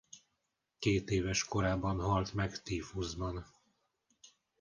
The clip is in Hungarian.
Kétéves korában halt meg tífuszban.